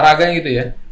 olahraganya gitu ya